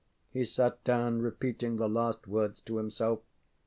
ŌĆØ He sat down repeating the last words to himself.